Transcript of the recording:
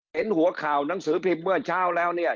เห็นหัวข่าวหนังสือพิมพ์เมื่อเช้าแล้วเนี่ย